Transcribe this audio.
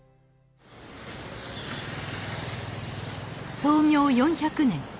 創業４００年。